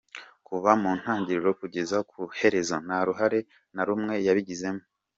Kuva mu ntangiriro kugeza ku iherezo, nta ruhare na rumwe yabigizemo.